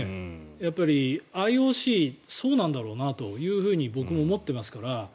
やっぱりＩＯＣそうなんだろうなというふうに僕も思っていますから。